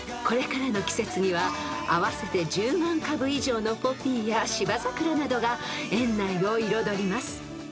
［これからの季節には合わせて１０万株以上のポピーや芝桜などが園内を彩ります］